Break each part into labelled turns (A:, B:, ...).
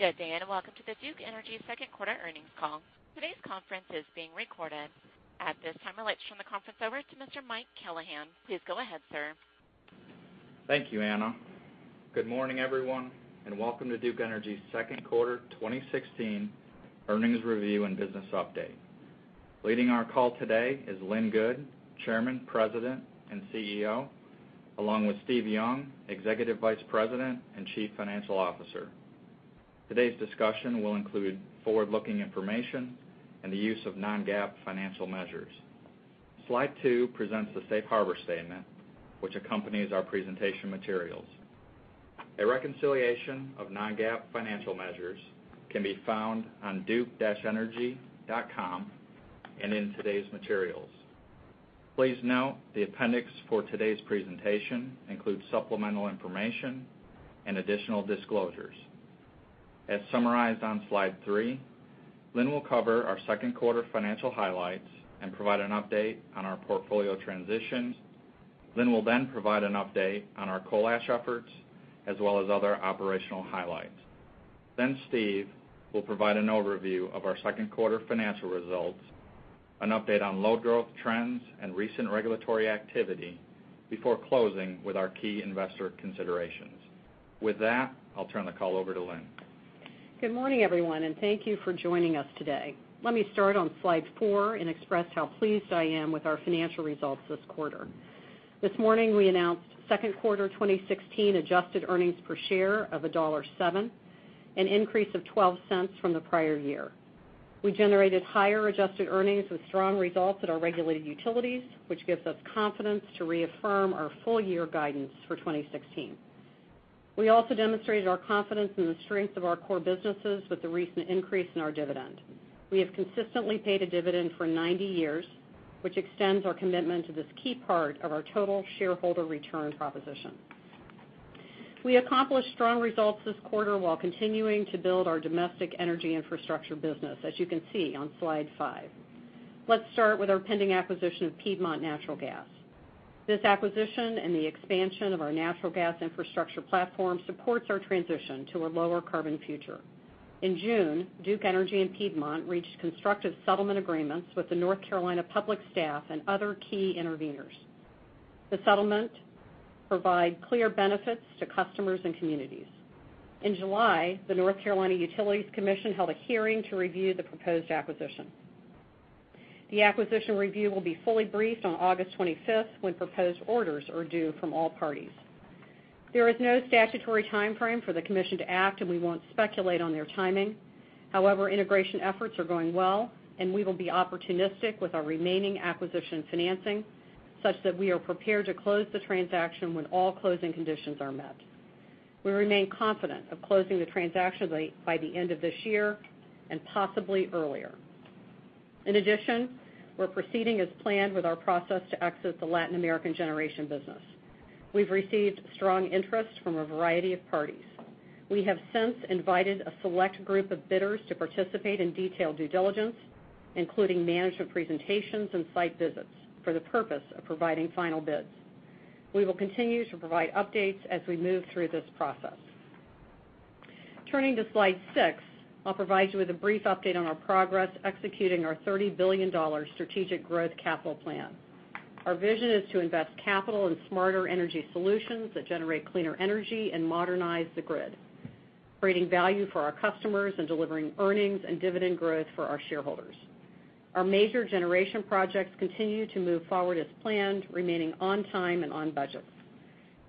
A: Good day, and welcome to the Duke Energy second quarter earnings call. Today's conference is being recorded. At this time, I'd like to turn the conference over to Mr. Mike Callahan. Please go ahead, sir.
B: Thank you, Anna. Good morning, everyone, and welcome to Duke Energy's second quarter 2016 earnings review and business update. Leading our call today is Lynn Good, Chairman, President, and CEO, along with Steve Young, Executive Vice President and Chief Financial Officer. Today's discussion will include forward-looking information and the use of non-GAAP financial measures. Slide two presents the safe harbor statement, which accompanies our presentation materials. A reconciliation of non-GAAP financial measures can be found on duke-energy.com and in today's materials. Please note the appendix for today's presentation includes supplemental information and additional disclosures. As summarized on slide three, Lynn will cover our second quarter financial highlights and provide an update on our portfolio transitions. Lynn will then provide an update on our coal ash efforts, as well as other operational highlights. Steve will provide an overview of our second quarter financial results, an update on load growth trends, and recent regulatory activity before closing with our key investor considerations. With that, I'll turn the call over to Lynn.
C: Good morning, everyone, and thank you for joining us today. Let me start on slide four and express how pleased I am with our financial results this quarter. This morning, we announced second quarter 2016 adjusted earnings per share of $1.07, an increase of $0.12 from the prior year. We generated higher adjusted earnings with strong results at our regulated utilities, which gives us confidence to reaffirm our full-year guidance for 2016. We also demonstrated our confidence in the strength of our core businesses with the recent increase in our dividend. We have consistently paid a dividend for 90 years, which extends our commitment to this key part of our total shareholder return proposition. We accomplished strong results this quarter while continuing to build our domestic energy infrastructure business, as you can see on slide five. Let's start with our pending acquisition of Piedmont Natural Gas. This acquisition and the expansion of our natural gas infrastructure platform supports our transition to a lower carbon future. In June, Duke Energy and Piedmont Natural Gas reached constructive settlement agreements with the North Carolina Public Staff and other key interveners. The settlement provide clear benefits to customers and communities. In July, the North Carolina Utilities Commission held a hearing to review the proposed acquisition. The acquisition review will be fully briefed on August 25th when proposed orders are due from all parties. There is no statutory timeframe for the commission to act, and we won't speculate on their timing. However, integration efforts are going well, and we will be opportunistic with our remaining acquisition financing such that we are prepared to close the transaction when all closing conditions are met. We remain confident of closing the transaction by the end of this year and possibly earlier. In addition, we're proceeding as planned with our process to exit the Latin American generation business. We've received strong interest from a variety of parties. We have since invited a select group of bidders to participate in detailed due diligence, including management presentations and site visits for the purpose of providing final bids. We will continue to provide updates as we move through this process. Turning to slide six, I'll provide you with a brief update on our progress executing our $30 billion strategic growth capital plan. Our vision is to invest capital in smarter energy solutions that generate cleaner energy and modernize the grid, creating value for our customers and delivering earnings and dividend growth for our shareholders. Our major generation projects continue to move forward as planned, remaining on time and on budget.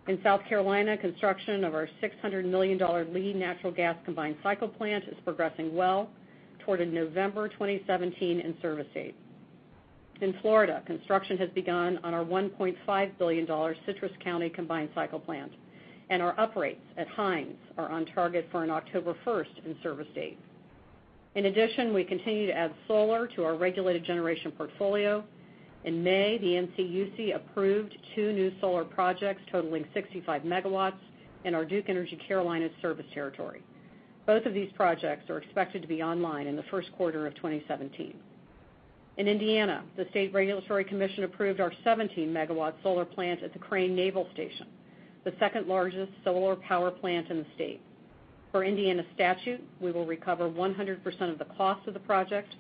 C: In South Carolina, construction of our $600 million Lee natural gas combined cycle plant is progressing well toward a November 2017 in-service date. In Florida, construction has begun on our $1.5 billion Citrus County combined cycle plant, and our uprates at Hines Energy are on target for an October 1st in-service date. In addition, we continue to add solar to our regulated generation portfolio. In May, the NCUC approved two new solar projects totaling 65 megawatts in our Duke Energy Carolinas service territory. Both of these projects are expected to be online in the first quarter of 2017. In Indiana, the Indiana Utility Regulatory Commission approved our 70-megawatt solar plant at the Crane Naval Station, the second-largest solar power plant in the state. Per Indiana statute, we will recover 100% of the cost of the project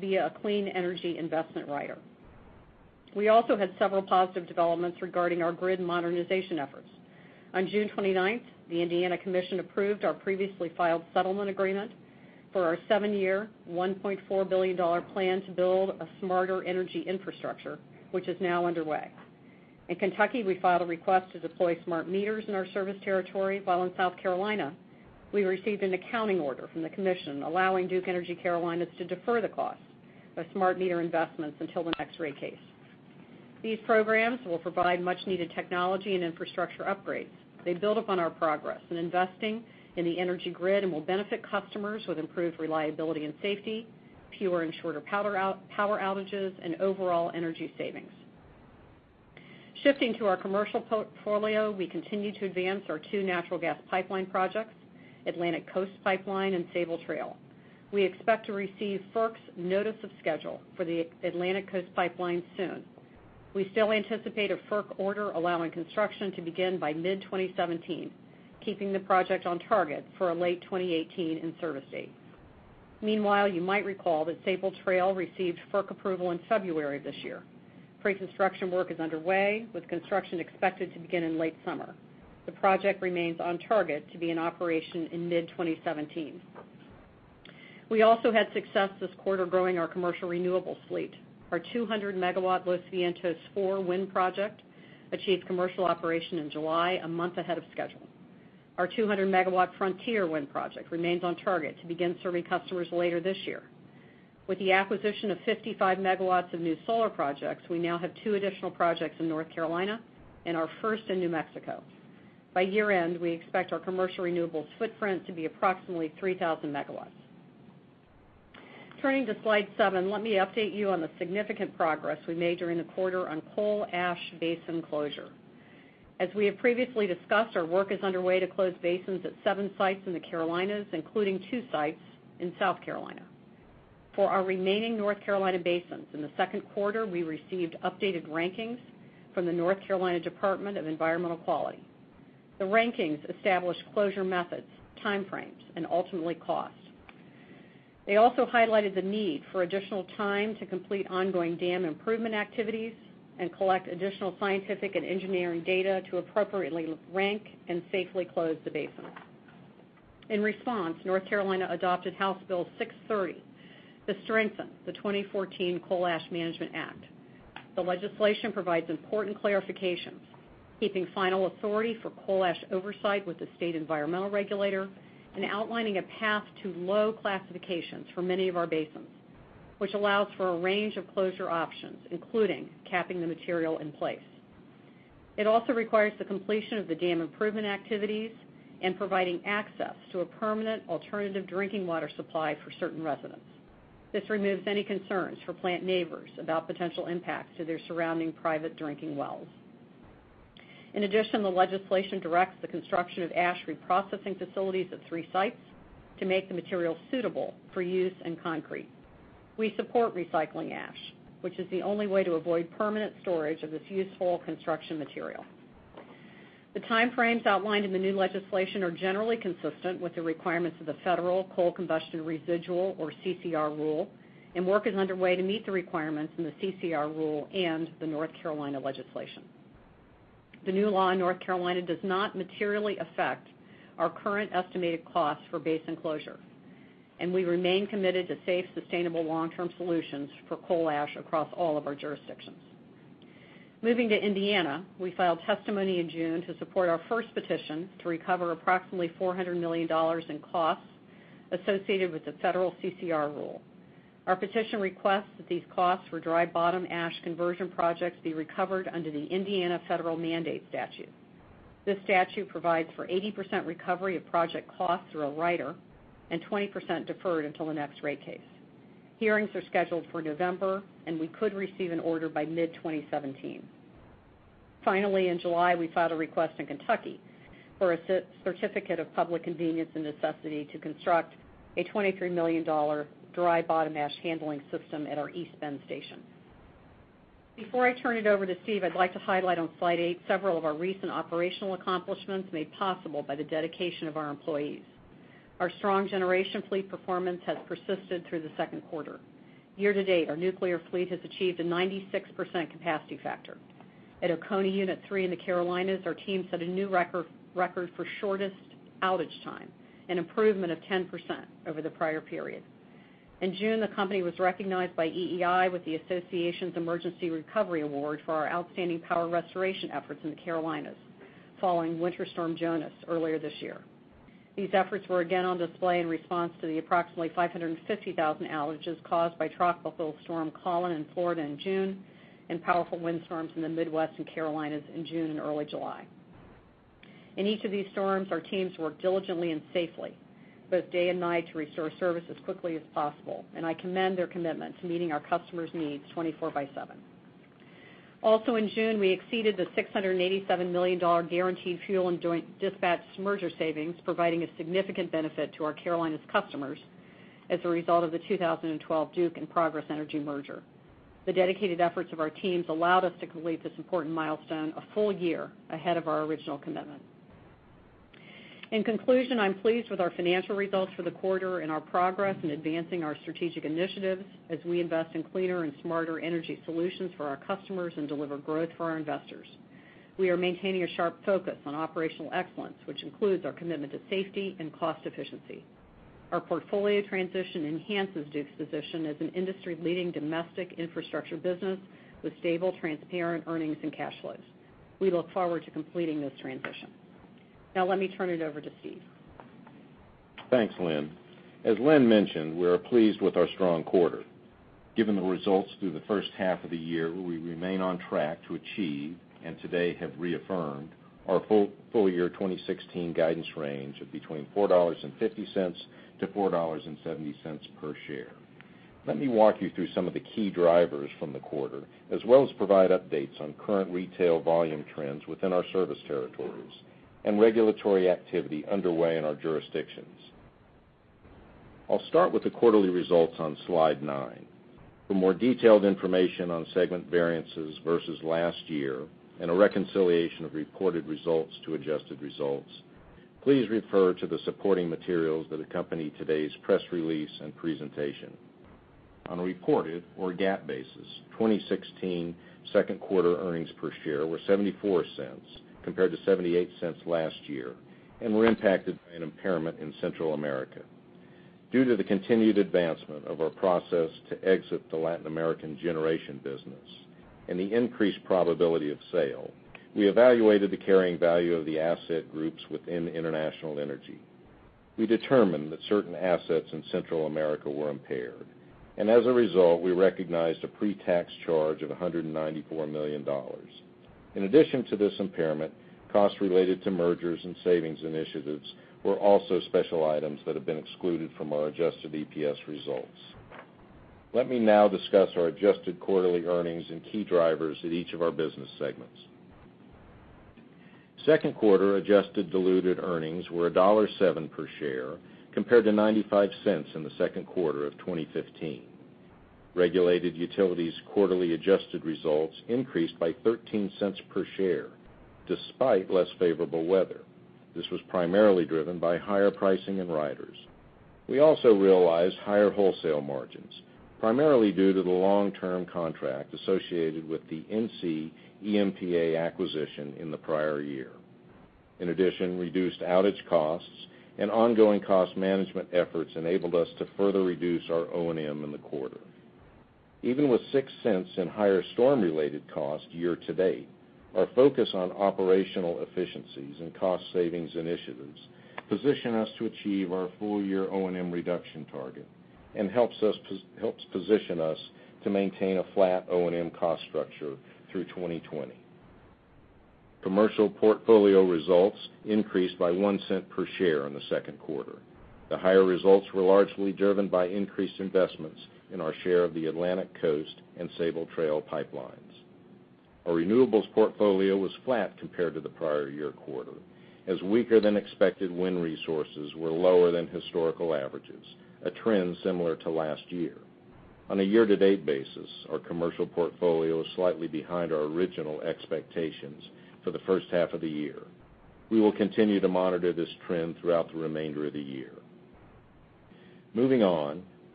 C: via a clean energy investment rider. We also had several positive developments regarding our grid modernization efforts. On June 29th, the Indiana Commission approved our previously filed settlement agreement for our seven-year, $1.4 billion plan to build a smarter energy infrastructure, which is now underway. In Kentucky, we filed a request to deploy smart meters in our service territory, while in South Carolina, we received an accounting order from the commission allowing Duke Energy Carolinas to defer the cost of smart meter investments until the next rate case. These programs will provide much needed technology and infrastructure upgrades. They build upon our progress in investing in the energy grid and will benefit customers with improved reliability and safety, fewer and shorter power outages, and overall energy savings. Shifting to our commercial portfolio, we continue to advance our two natural gas pipeline projects, Atlantic Coast Pipeline and Sabal Trail. We expect to receive FERC's notice of schedule for the Atlantic Coast Pipeline soon. We still anticipate a FERC order allowing construction to begin by mid-2017, keeping the project on target for a late 2018 in-service date. Meanwhile, you might recall that Sabal Trail received FERC approval in February of this year. Pre-construction work is underway, with construction expected to begin in late summer. The project remains on target to be in operation in mid-2017. We also had success this quarter growing our commercial renewables fleet. Our 200-megawatt Los Vientos IV wind project achieved commercial operation in July, a month ahead of schedule. Our 200-megawatt Frontier wind project remains on target to begin serving customers later this year. With the acquisition of 55 megawatts of new solar projects, we now have two additional projects in North Carolina and our first in New Mexico. By year-end, we expect our commercial renewables footprint to be approximately 3,000 megawatts. Turning to slide seven, let me update you on the significant progress we made during the quarter on coal ash basin closure. As we have previously discussed, our work is underway to close basins at seven sites in the Carolinas, including two sites in South Carolina. For our remaining North Carolina basins, in the second quarter, we received updated rankings from the North Carolina Department of Environmental Quality. The rankings established closure methods, timeframes, and ultimately costs. They also highlighted the need for additional time to complete ongoing dam improvement activities and collect additional scientific and engineering data to appropriately rank and safely close the basins. In response, North Carolina adopted House Bill 630 to strengthen the 2014 Coal Ash Management Act. The legislation provides important clarifications, keeping final authority for coal ash oversight with the state environmental regulator and outlining a path to low classifications for many of our basins, which allows for a range of closure options, including capping the material in place. It also requires the completion of the dam improvement activities and providing access to a permanent alternative drinking water supply for certain residents. This removes any concerns for plant neighbors about potential impacts to their surrounding private drinking wells. In addition, the legislation directs the construction of ash reprocessing facilities at three sites to make the material suitable for use in concrete. We support recycling ash, which is the only way to avoid permanent storage of this useful construction material. The timeframes outlined in the new legislation are generally consistent with the requirements of the Federal Coal Combustion Residual, or CCR, rule, and work is underway to meet the requirements in the CCR rule and the North Carolina legislation. The new law in North Carolina does not materially affect our current estimated costs for basin closure, and we remain committed to safe, sustainable long-term solutions for coal ash across all of our jurisdictions. Moving to Indiana, we filed testimony in June to support our first petition to recover approximately $400 million in costs associated with the federal CCR rule. Our petition requests that these costs for dry bottom ash conversion projects be recovered under the Indiana Federal Mandate Statute. This statute provides for 80% recovery of project costs through a rider and 20% deferred until the next rate case. Hearings are scheduled for November, and we could receive an order by mid-2017. Finally, in July, we filed a request in Kentucky for a certificate of public convenience and necessity to construct a $23 million dry bottom ash handling system at our East Bend station. Before I turn it over to Steve, I'd like to highlight on slide eight several of our recent operational accomplishments made possible by the dedication of our employees. Our strong generation fleet performance has persisted through the second quarter. Year-to-date, our nuclear fleet has achieved a 96% capacity factor. At Oconee Unit 3 in the Carolinas, our team set a new record for shortest outage time, an improvement of 10% over the prior period. In June, the company was recognized by EEI with the association's Emergency Recovery Award for our outstanding power restoration efforts in the Carolinas following Winter Storm Jonas earlier this year. These efforts were again on display in response to the approximately 550,000 outages caused by Tropical Storm Colin in Florida in June and powerful windstorms in the Midwest and Carolinas in June and early July. In each of these storms, our teams worked diligently and safely, both day and night, to restore service as quickly as possible, and I commend their commitment to meeting our customers' needs 24 by seven. Also in June, we exceeded the $687 million guaranteed fuel and joint dispatch merger savings, providing a significant benefit to our Carolinas customers as a result of the 2012 Duke and Progress Energy merger. The dedicated efforts of our teams allowed us to complete this important milestone a full year ahead of our original commitment. In conclusion, I'm pleased with our financial results for the quarter and our progress in advancing our strategic initiatives as we invest in cleaner and smarter energy solutions for our customers and deliver growth for our investors. We are maintaining a sharp focus on operational excellence, which includes our commitment to safety and cost efficiency. Our portfolio transition enhances Duke's position as an industry-leading domestic infrastructure business with stable, transparent earnings, and cash flows. We look forward to completing this transition. Now, let me turn it over to Steve.
D: Thanks, Lynn. As Lynn mentioned, we are pleased with our strong quarter. Given the results through the first half of the year, we remain on track to achieve and today have reaffirmed our full year 2016 guidance range of between $4.50-$4.70 per share. Let me walk you through some of the key drivers from the quarter, as well as provide updates on current retail volume trends within our service territories and regulatory activity underway in our jurisdictions. I'll start with the quarterly results on slide nine. For more detailed information on segment variances versus last year, and a reconciliation of reported results to adjusted results, please refer to the supporting materials that accompany today's press release and presentation. On a reported or GAAP basis, 2016 second quarter earnings per share were $0.74 compared to $0.78 last year, and were impacted by an impairment in Central America. Due to the continued advancement of our process to exit the Latin American generation business and the increased probability of sale, we evaluated the carrying value of the asset groups within International Energy. We determined that certain assets in Central America were impaired, and as a result, we recognized a pre-tax charge of $194 million. In addition to this impairment, costs related to mergers and savings initiatives were also special items that have been excluded from our adjusted EPS results. Let me now discuss our adjusted quarterly earnings and key drivers at each of our business segments. Second quarter adjusted diluted earnings were $1.07 per share, compared to $0.95 in the second quarter of 2015. Regulated utilities quarterly adjusted results increased by $0.13 per share despite less favorable weather. This was primarily driven by higher pricing in riders. We also realized higher wholesale margins, primarily due to the long-term contract associated with the NCEMPA acquisition in the prior year. In addition, reduced outage costs and ongoing cost management efforts enabled us to further reduce our O&M in the quarter. Even with $0.06 in higher storm-related costs year-to-date, our focus on operational efficiencies and cost savings initiatives position us to achieve our full year O&M reduction target and helps position us to maintain a flat O&M cost structure through 2020. Commercial portfolio results increased by $0.01 per share in the second quarter. The higher results were largely driven by increased investments in our share of the Atlantic Coast and Sabal Trail pipelines. Our renewables portfolio was flat compared to the prior year quarter, as weaker-than-expected wind resources were lower than historical averages, a trend similar to last year. On a year-to-date basis, our commercial portfolio is slightly behind our original expectations for the first half of the year. We will continue to monitor this trend throughout the remainder of the year.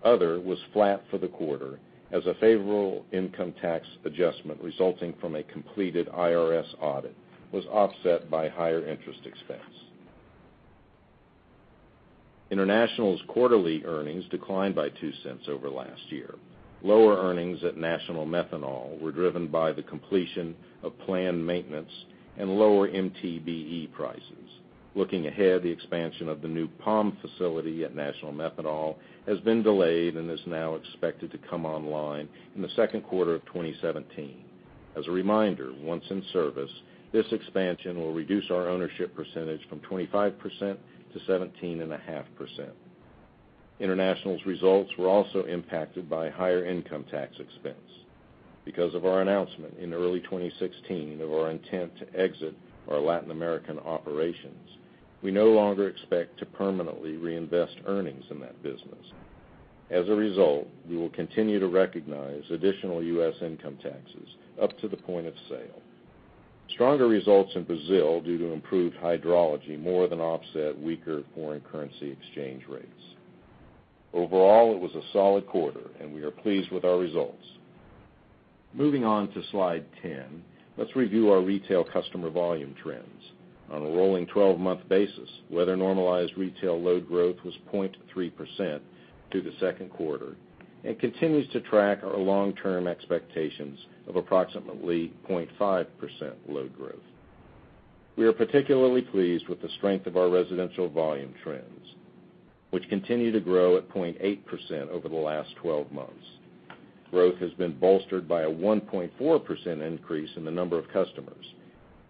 D: Other was flat for the quarter as a favorable income tax adjustment resulting from a completed IRS audit was offset by higher interest expense. International's quarterly earnings declined by $0.02 over last year. Lower earnings at National Methanol were driven by the completion of planned maintenance and lower MTBE prices. The expansion of the new Palm facility at National Methanol has been delayed and is now expected to come online in the second quarter of 2017. As a reminder, once in service, this expansion will reduce our ownership percentage from 25% to 17.5%. International's results were also impacted by higher income tax expense. Because of our announcement in early 2016 of our intent to exit our Latin American operations, we no longer expect to permanently reinvest earnings in that business. As a result, we will continue to recognize additional U.S. income taxes up to the point of sale. Stronger results in Brazil due to improved hydrology more than offset weaker foreign currency exchange rates. Overall, it was a solid quarter, and we are pleased with our results. Moving on to slide 10, let's review our retail customer volume trends. On a rolling 12-month basis, weather-normalized retail load growth was 0.3% through the second quarter and continues to track our long-term expectations of approximately 0.5% load growth. We are particularly pleased with the strength of our residential volume trends, which continue to grow at 0.8% over the last 12 months. Growth has been bolstered by a 1.4% increase in the number of customers.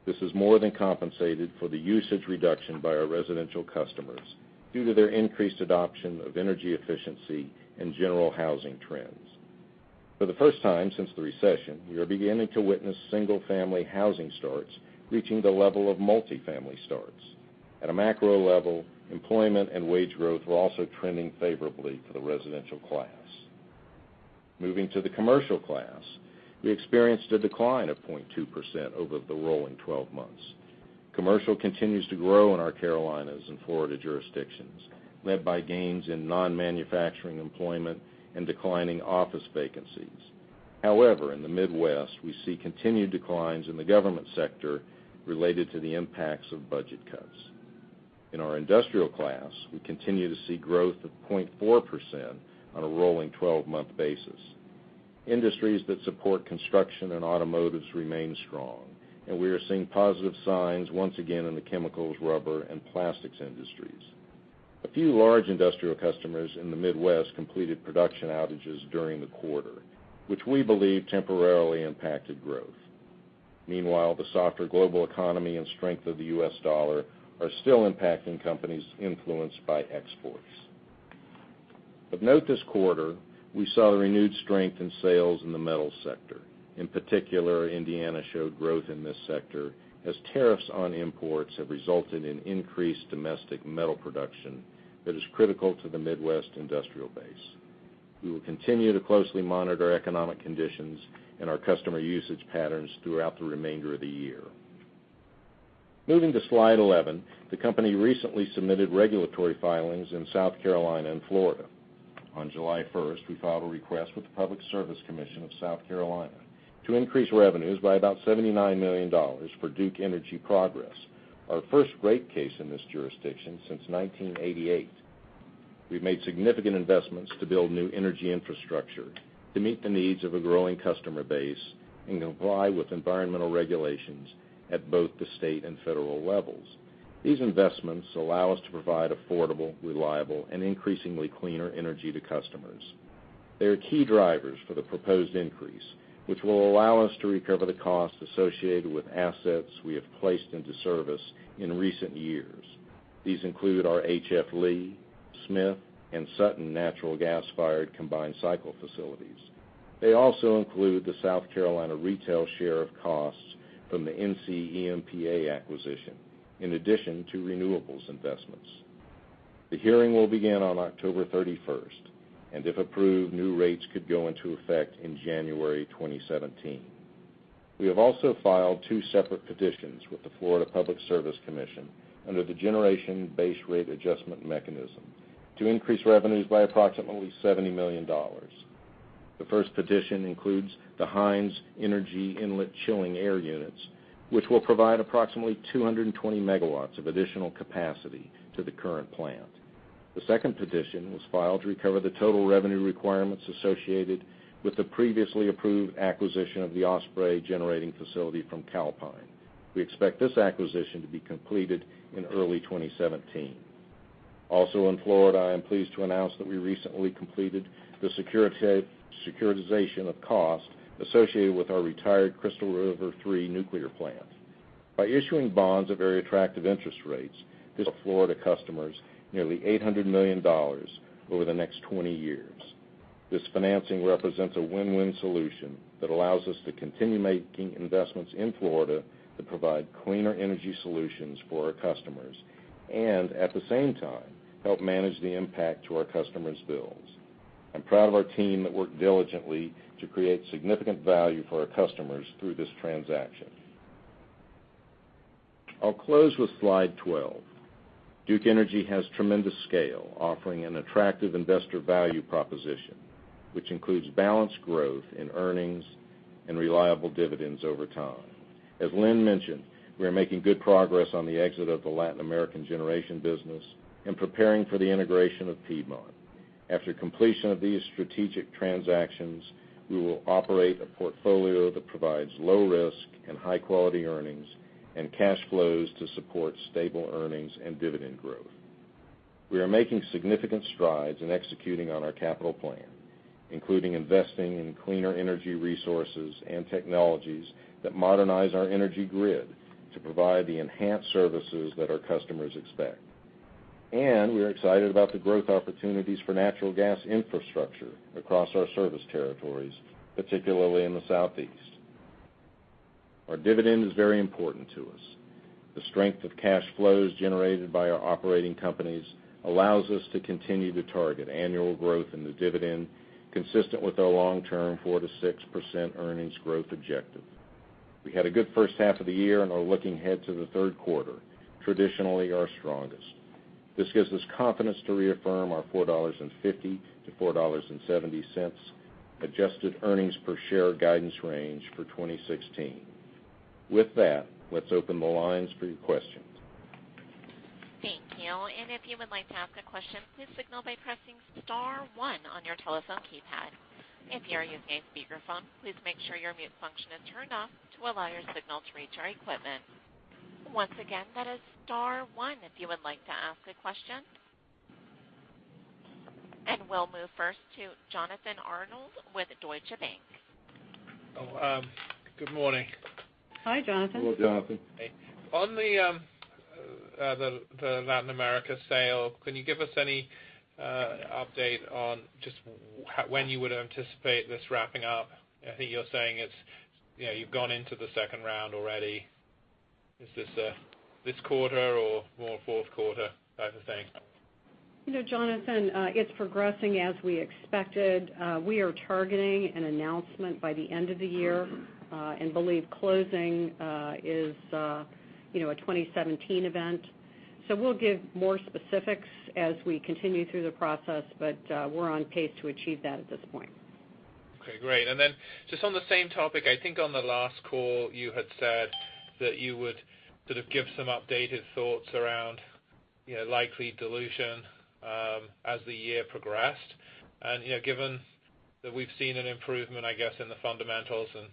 D: This has more than compensated for the usage reduction by our residential customers due to their increased adoption of energy efficiency and general housing trends. For the first time since the recession, we are beginning to witness single-family housing starts reaching the level of multi-family starts. At a macro level, employment and wage growth were also trending favorably for the residential class. Moving to the commercial class, we experienced a decline of 0.2% over the rolling 12 months. Commercial continues to grow in our Carolinas and Florida jurisdictions, led by gains in non-manufacturing employment and declining office vacancies. However, in the Midwest, we see continued declines in the government sector related to the impacts of budget cuts. In our industrial class, we continue to see growth of 0.4% on a rolling 12-month basis. Industries that support construction and automotives remain strong, we are seeing positive signs once again in the chemicals, rubber, and plastics industries. A few large industrial customers in the Midwest completed production outages during the quarter, which we believe temporarily impacted growth. Meanwhile, the softer global economy and strength of the US dollar are still impacting companies influenced by exports. Of note this quarter, we saw the renewed strength in sales in the metal sector. In particular, Indiana showed growth in this sector as tariffs on imports have resulted in increased domestic metal production that is critical to the Midwest industrial base. We will continue to closely monitor economic conditions and our customer usage patterns throughout the remainder of the year. Moving to slide 11. The company recently submitted regulatory filings in South Carolina and Florida. On July 1st, we filed a request with the Public Service Commission of South Carolina to increase revenues by about $79 million for Duke Energy Progress, our first rate case in this jurisdiction since 1988. We've made significant investments to build new energy infrastructure to meet the needs of a growing customer base and comply with environmental regulations at both the state and federal levels. These investments allow us to provide affordable, reliable, and increasingly cleaner energy to customers. They are key drivers for the proposed increase, which will allow us to recover the costs associated with assets we have placed into service in recent years. These include our H.F. Lee, Smith, and Sutton natural gas-fired combined cycle facilities. They also include the South Carolina retail share of costs from the NCEMPA acquisition, in addition to renewables investments. The hearing will begin on October 31st, if approved, new rates could go into effect in January 2017. We have also filed two separate petitions with the Florida Public Service Commission under the generation base rate adjustment mechanism to increase revenues by approximately $70 million. The first petition includes the Hines Energy inlet air chilling units, which will provide approximately 220 MW of additional capacity to the current plant. The second petition was filed to recover the total revenue requirements associated with the previously approved acquisition of the Osprey generating facility from Calpine. We expect this acquisition to be completed in early 2017. Also in Florida, I am pleased to announce that we recently completed the securitization of cost associated with our retired Crystal River 3 nuclear plant. By issuing bonds at very attractive interest rates, of Florida customers nearly $800 million over the next 20 years. This financing represents a win-win solution that allows us to continue making investments in Florida to provide cleaner energy solutions for our customers and, at the same time, help manage the impact to our customers' bills. I'm proud of our team that worked diligently to create significant value for our customers through this transaction. I'll close with slide 12. Duke Energy has tremendous scale, offering an attractive investor value proposition, which includes balanced growth in earnings and reliable dividends over time. As Lynn mentioned, we are making good progress on the exit of the Latin American generation business and preparing for the integration of Piedmont. After completion of these strategic transactions, we will operate a portfolio that provides low risk and high-quality earnings and cash flows to support stable earnings and dividend growth. We are making significant strides in executing on our capital plan, including investing in cleaner energy resources and technologies that modernize our energy grid to provide the enhanced services that our customers expect. We are excited about the growth opportunities for natural gas infrastructure across our service territories, particularly in the Southeast. Our dividend is very important to us. The strength of cash flows generated by our operating companies allows us to continue to target annual growth in the dividend consistent with our long-term 4%-6% earnings growth objective. We had a good first half of the year and are looking ahead to the third quarter, traditionally our strongest. This gives us confidence to reaffirm our $4.50-$4.70 adjusted earnings per share guidance range for 2016. With that, let's open the lines for your questions.
A: Thank you. If you would like to ask a question, please signal by pressing *1 on your telephone keypad. If you are using a speakerphone, please make sure your mute function is turned off to allow your signal to reach our equipment. Once again, that is *1 if you would like to ask a question. We'll move first to Jonathan Arnold with Deutsche Bank.
E: Good morning.
C: Hi, Jonathan.
D: Hello, Jonathan.
E: On the Latin America sale, can you give us any update on just when you would anticipate this wrapping up? I think you're saying you've gone into the second round already. Is this this quarter or more fourth quarter type of thing?
C: Jonathan, it's progressing as we expected. We are targeting an announcement by the end of the year and believe closing is a 2017 event. We'll give more specifics as we continue through the process, but we're on pace to achieve that at this point.
E: Okay, great. Just on the same topic, I think on the last call, you had said that you would sort of give some updated thoughts around likely dilution as the year progressed. Given that we've seen an improvement, I guess, in the fundamentals and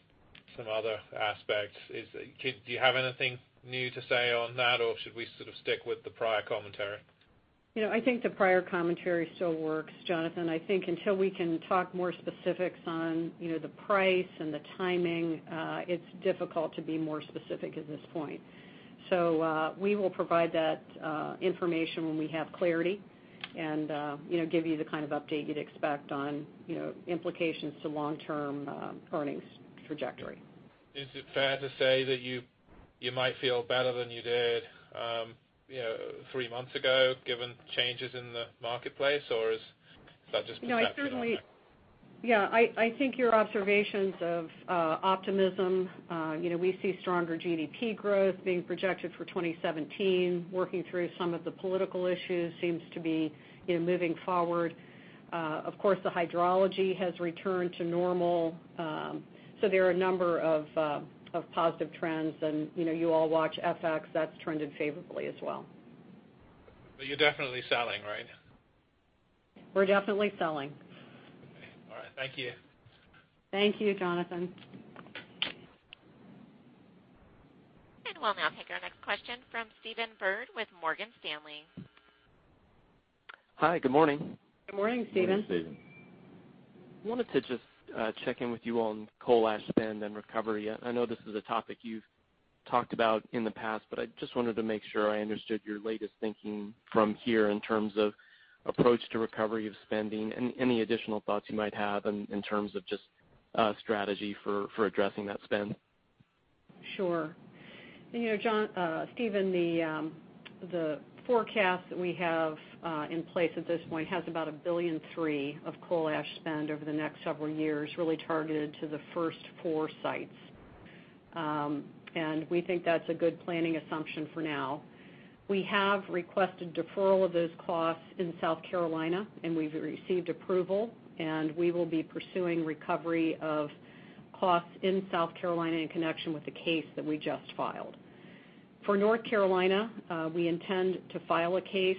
E: some other aspects, do you have anything new to say on that, or should we sort of stick with the prior commentary?
C: I think the prior commentary still works, Jonathan. I think until we can talk more specifics on the price and the timing, it's difficult to be more specific at this point. We will provide that information when we have clarity and give you the kind of update you'd expect on implications to long-term earnings trajectory.
E: Is it fair to say that you might feel better than you did three months ago, given changes in the marketplace, or is that just perception?
C: Yeah. I think your observations of optimism, we see stronger GDP growth being projected for 2017. Working through some of the political issues seems to be moving forward. Of course, the hydrology has returned to normal. There are a number of positive trends, and you all watch FX, that's trended favorably as well.
E: You're definitely selling, right?
C: We're definitely selling.
E: Okay. All right. Thank you.
C: Thank you, Jonathan.
A: We'll now take our next question from Stephen Byrd with Morgan Stanley.
F: Hi. Good morning.
C: Good morning, Stephen.
D: Good morning, Stephen.
F: Wanted to just check in with you on coal ash spend and recovery. I know this is a topic you've talked about in the past, I just wanted to make sure I understood your latest thinking from here in terms of approach to recovery of spending, and any additional thoughts you might have in terms of just strategy for addressing that spend.
C: Sure. Stephen, the forecast that we have in place at this point has about $1.3 billion of coal ash spend over the next several years, really targeted to the first 4 sites. We think that's a good planning assumption for now. We have requested deferral of those costs in South Carolina, we've received approval, we will be pursuing recovery of costs in South Carolina in connection with the case that we just filed. For North Carolina, we intend to file a case,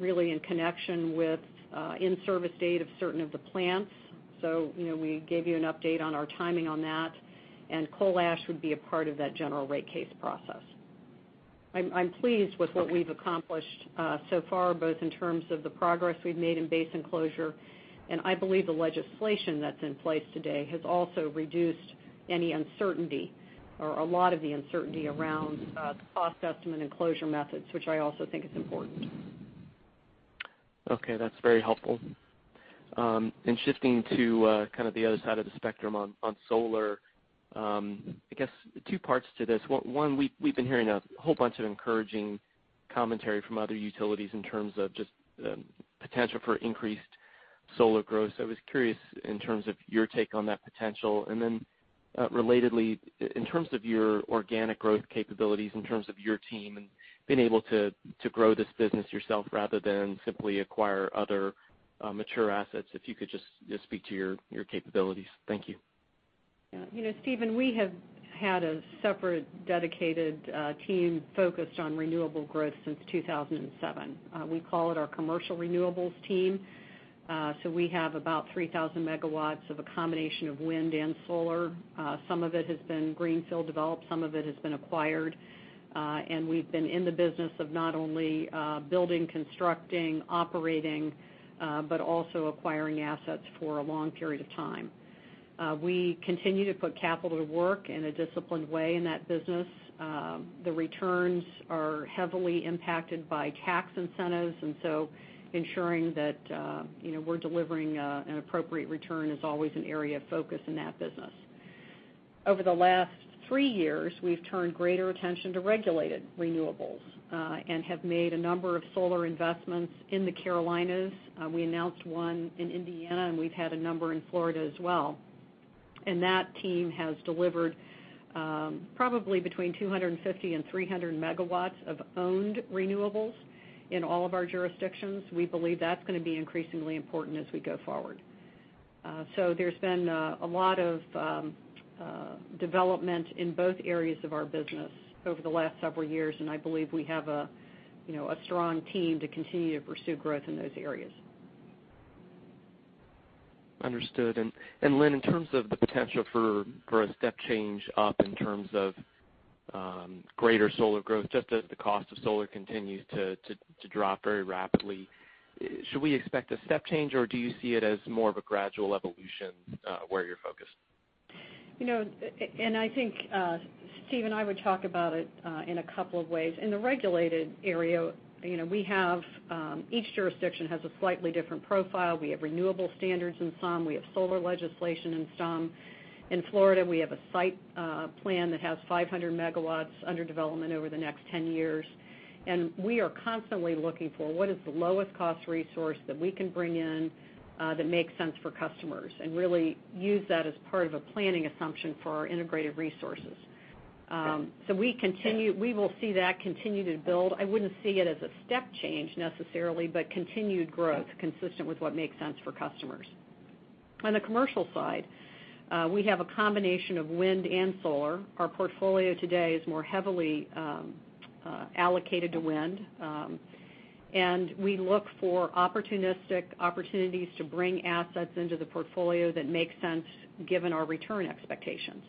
C: really in connection with in-service date of certain of the plants. We gave you an update on our timing on that, coal ash would be a part of that general rate case process. I'm pleased with what we've accomplished so far, both in terms of the progress we've made in basin enclosure, I believe the legislation that's in place today has also reduced any uncertainty or a lot of the uncertainty around the cost estimate and closure methods, which I also think is important.
F: Okay, that's very helpful. Shifting to kind of the other side of the spectrum on solar, I guess two parts to this. One, we've been hearing a whole bunch of encouraging commentary from other utilities in terms of just potential for increased solar growth. I was curious in terms of your take on that potential, then relatedly, in terms of your organic growth capabilities, in terms of your team and being able to grow this business yourself rather than simply acquire other mature assets, if you could just speak to your capabilities. Thank you.
C: Stephen, we have had a separate dedicated team focused on renewable growth since 2007. We call it our commercial renewables team. We have about 3,000 megawatts of a combination of wind and solar. Some of it has been greenfield developed, some of it has been acquired. We've been in the business of not only building, constructing, operating, but also acquiring assets for a long period of time. We continue to put capital to work in a disciplined way in that business. The returns are heavily impacted by tax incentives, ensuring that we're delivering an appropriate return is always an area of focus in that business. Over the last three years, we've turned greater attention to regulated renewables, have made a number of solar investments in the Carolinas. We announced one in Indiana, we've had a number in Florida as well. That team has delivered probably between 250-300 megawatts of owned renewables in all of our jurisdictions. We believe that's going to be increasingly important as we go forward. There's been a lot of development in both areas of our business over the last several years, I believe we have a strong team to continue to pursue growth in those areas.
F: Understood. Lynn, in terms of the potential for a step change up in terms of greater solar growth, just as the cost of solar continues to drop very rapidly, should we expect a step change, or do you see it as more of a gradual evolution where you're focused?
C: I think, Stephen, I would talk about it in a couple of ways. In the regulated area, each jurisdiction has a slightly different profile. We have renewable standards in some, we have solar legislation in some. In Florida, we have a site plan that has 500 megawatts under development over the next 10 years. We are constantly looking for what is the lowest cost resource that we can bring in that makes sense for customers, really use that as part of a planning assumption for our integrated resources.
F: Okay.
C: We will see that continue to build. I wouldn't see it as a step change necessarily, but continued growth consistent with what makes sense for customers. On the commercial side, we have a combination of wind and solar. Our portfolio today is more heavily allocated to wind. We look for opportunistic opportunities to bring assets into the portfolio that make sense given our return expectations.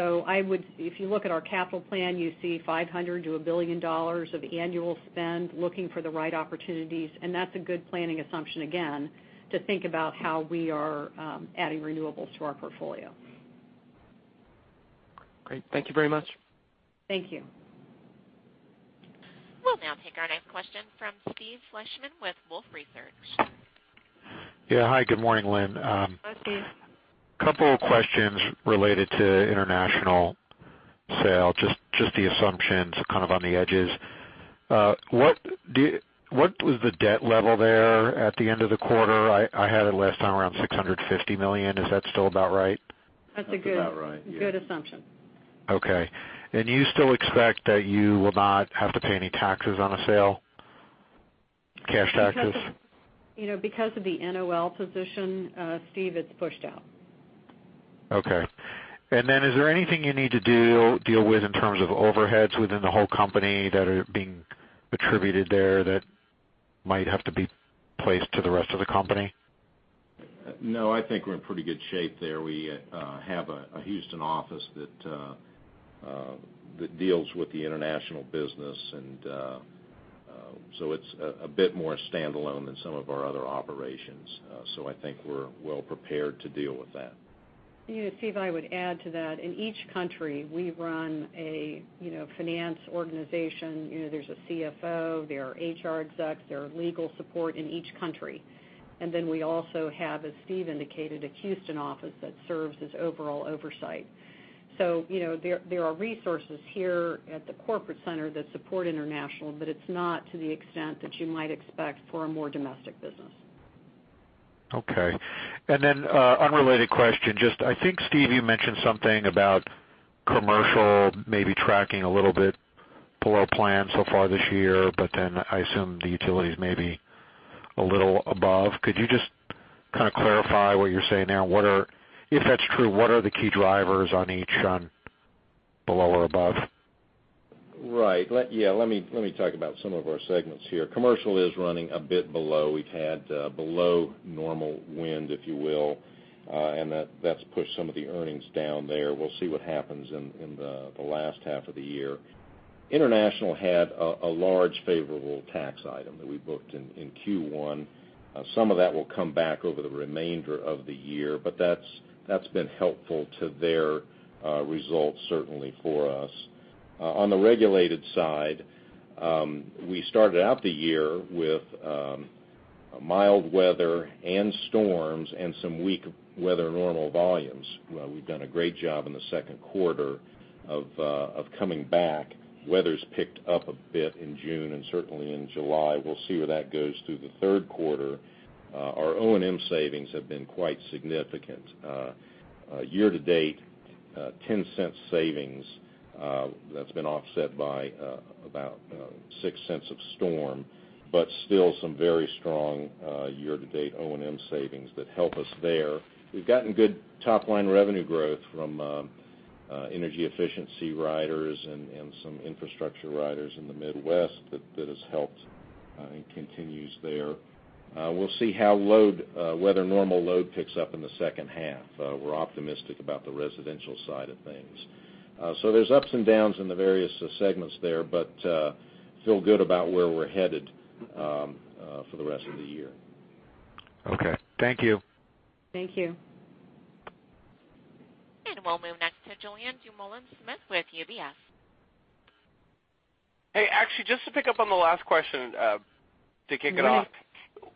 C: If you look at our capital plan, you see $500 million to $1 billion of annual spend looking for the right opportunities, and that's a good planning assumption, again, to think about how we are adding renewables to our portfolio.
F: Great. Thank you very much.
C: Thank you.
A: We'll now take our next question from Steve Fleishman with Wolfe Research.
G: Yeah. Hi, good morning, Lynn.
C: Hello, Steve.
G: Couple of questions related to international sale, just the assumptions kind of on the edges. What was the debt level there at the end of the quarter? I had it last time around $650 million. Is that still about right?
C: That's a good-
D: That's about right, yeah.
C: Good assumption.
G: Okay. You still expect that you will not have to pay any taxes on a sale, cash taxes?
C: Because of the NOL position, Steve, it's pushed out.
G: Okay. Is there anything you need to deal with in terms of overheads within the whole company that are being attributed there that might have to be placed to the rest of the company?
D: No, I think we're in pretty good shape there. We have a Houston office that deals with the international business, it's a bit more standalone than some of our other operations. I think we're well prepared to deal with that.
C: Steve, I would add to that. In each country, we run a finance organization. There's a CFO, there are HR execs, there are legal support in each country. We also have, as Steve indicated, a Houston office that serves as overall oversight. There are resources here at the corporate center that support international, but it's not to the extent that you might expect for a more domestic business.
G: Okay. Unrelated question, just I think, Steve, you mentioned something about commercial maybe tracking a little bit below plan so far this year, but then I assume the utilities may be a little above. Could you just kind of clarify what you're saying there? If that's true, what are the key drivers on each one below or above?
D: Right. Let me talk about some of our segments here. Commercial is running a bit below. We've had below normal wind, if you will. That's pushed some of the earnings down there. We'll see what happens in the last half of the year. International had a large favorable tax item that we booked in Q1. Some of that will come back over the remainder of the year, but that's been helpful to their results, certainly for us. On the regulated side, we started out the year with mild weather and storms and some weak weather normal volumes. We've done a great job in the second quarter of coming back. Weather's picked up a bit in June and certainly in July. We'll see where that goes through the third quarter. Our O&M savings have been quite significant. Year to date, $0.10 savings that's been offset by about $0.06 of storm, but still some very strong year-to-date O&M savings that help us there. We've gotten good top-line revenue growth from energy efficiency riders and some infrastructure riders in the Midwest that has helped and continues there. We'll see how weather normal load picks up in the second half. We're optimistic about the residential side of things. There's ups and downs in the various segments there, but feel good about where we're headed for the rest of the year.
G: Okay. Thank you.
C: Thank you.
A: We'll move next to Julien Dumoulin-Smith with UBS.
H: Hey. Actually, just to pick up on the last question, to kick it off.
C: Yes.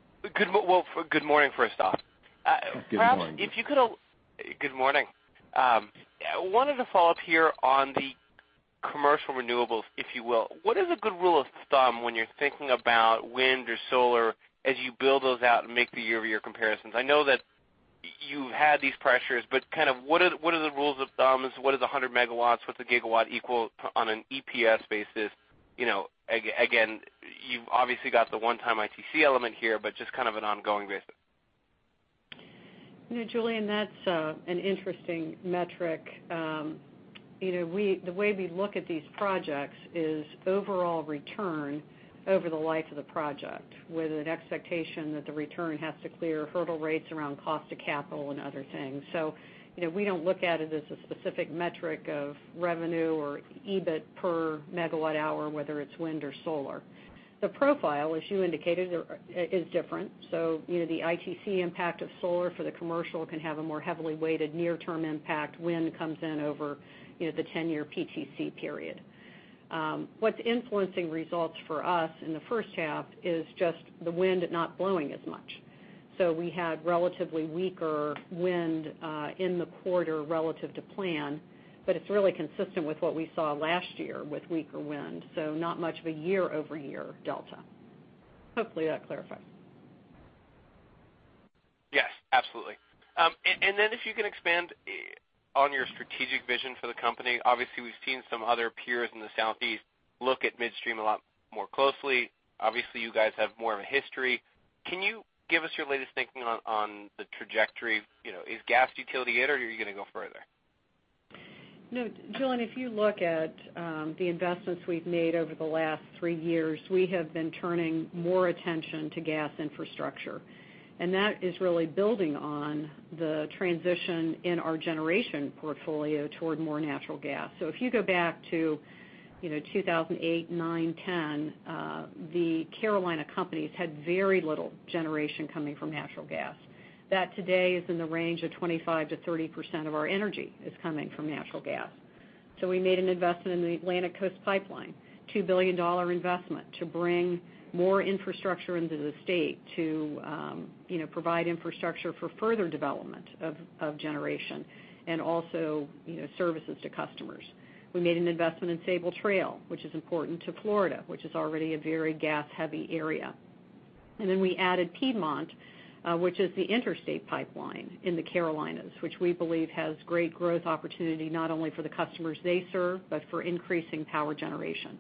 H: Well, good morning, first off.
D: Good morning.
H: Good morning. Wanted to follow up here on the commercial renewables, if you will. What is a good rule of thumb when you're thinking about wind or solar as you build those out and make the year-over-year comparisons? I know that you've had these pressures, but what are the rules of thumb? What does 100 MW with a GW equal on an EPS basis? Again, you've obviously got the one-time ITC element here, but just an ongoing basis.
C: Julien, that's an interesting metric. The way we look at these projects is overall return over the life of the project with an expectation that the return has to clear hurdle rates around cost of capital and other things. We don't look at it as a specific metric of revenue or EBIT per MWh, whether it's wind or solar. The profile, as you indicated, is different. The ITC impact of solar for the commercial can have a more heavily weighted near-term impact. Wind comes in over the 10-year PTC period. What's influencing results for us in the first half is just the wind not blowing as much. We had relatively weaker wind in the quarter relative to plan, but it's really consistent with what we saw last year with weaker wind, not much of a year-over-year delta. Hopefully, that clarifies.
H: Yes, absolutely. If you can expand on your strategic vision for the company. Obviously, we've seen some other peers in the Southeast look at midstream a lot more closely. Obviously, you guys have more of a history. Can you give us your latest thinking on the trajectory? Is gas utility it, or are you going to go further?
C: Julien, if you look at the investments we've made over the last three years, we have been turning more attention to gas infrastructure, that is really building on the transition in our generation portfolio toward more natural gas. If you go back to 2008, 2009, 2010, the Carolina companies had very little generation coming from natural gas. That today is in the range of 25%-30% of our energy is coming from natural gas. We made an investment in the Atlantic Coast Pipeline, a $2 billion investment to bring more infrastructure into the state to provide infrastructure for further development of generation and also services to customers. We made an investment in Sabal Trail, which is important to Florida, which is already a very gas-heavy area. We added Piedmont, which is the interstate pipeline in the Carolinas, which we believe has great growth opportunity not only for the customers they serve, but for increasing power generation.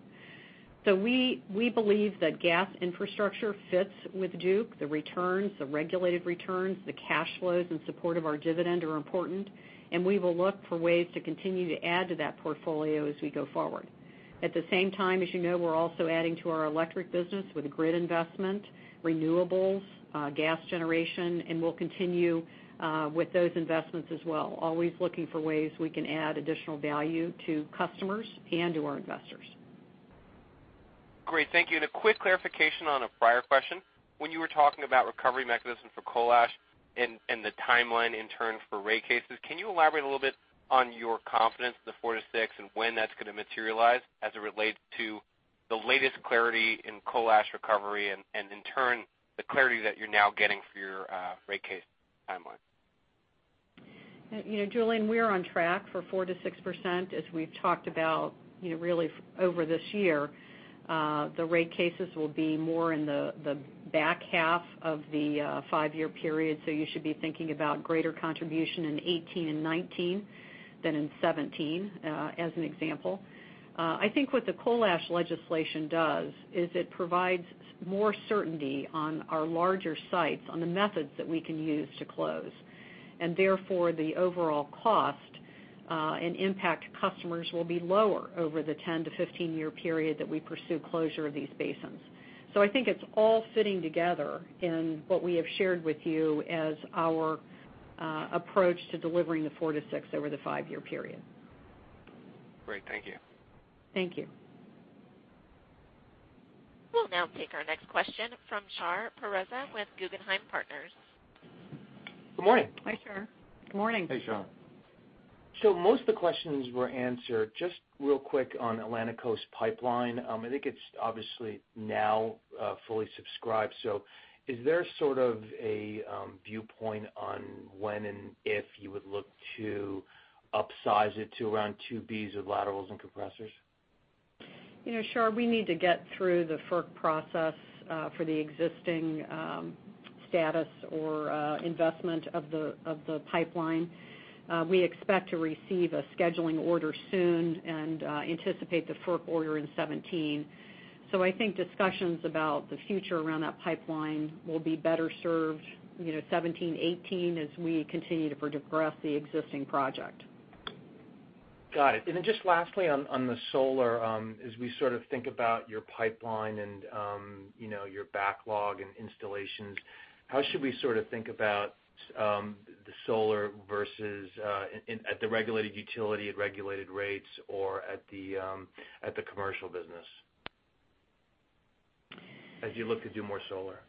C: We believe that gas infrastructure fits with Duke. The returns, the regulated returns, the cash flows in support of our dividend are important. We will look for ways to continue to add to that portfolio as we go forward. At the same time, as you know, we're also adding to our electric business with grid investment, renewables, gas generation, and we'll continue with those investments as well, always looking for ways we can add additional value to customers and to our investors.
H: Great, thank you. A quick clarification on a prior question. When you were talking about recovery mechanism for coal ash and the timeline in turn for rate cases, can you elaborate a little bit on your confidence in the 4%-6% and when that's going to materialize as it relates to the latest clarity in coal ash recovery and in turn, the clarity that you're now getting for your rate case timeline?
C: Julien, we are on track for 4%-6% as we've talked about really over this year. The rate cases will be more in the back half of the five-year period, so you should be thinking about greater contribution in 2018 and 2019 than in 2017, as an example. I think what the coal ash legislation does is it provides more certainty on our larger sites on the methods that we can use to close, and therefore the overall cost and impact to customers will be lower over the 10-15-year period that we pursue closure of these basins. I think it's all fitting together in what we have shared with you as our approach to delivering the 4%-6% over the five-year period.
H: Great. Thank you.
C: Thank you.
A: We'll now take our next question from Shar Pourreza with Guggenheim Partners.
I: Good morning.
D: Hi, Shar. Good morning. Hey, Shar.
I: Most of the questions were answered. Just real quick on Atlantic Coast Pipeline, I think it is obviously now fully subscribed. Is there sort of a viewpoint on when and if you would look to upsize it to around 2 Bs with laterals and compressors?
C: Shar, we need to get through the FERC process for the existing status or investment of the pipeline. We expect to receive a scheduling order soon and anticipate the FERC order in 2017. I think discussions about the future around that pipeline will be better served 2017, 2018, as we continue to progress the existing project.
I: Got it. Just lastly on the solar, as we sort of think about your pipeline and your backlog and installations, how should we sort of think about the solar versus at the regulated utility at regulated rates or at the commercial business as you look to do more solar?